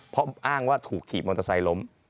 เพราะอ้างว่าถูกถีบมอเตอร์ไซค์ล้ม